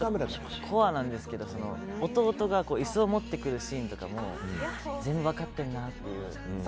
弟が椅子を持ってくるシーンとかも全部分かってるなっていう。